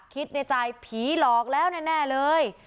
คิดในใจผีหลอกแล้วแน่เลย